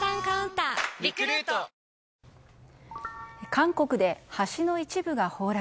韓国で橋の一部が崩落。